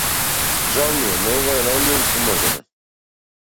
Жал ми е, но ова е најмногу што можеме.